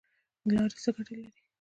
لاړې څه ګټه لري؟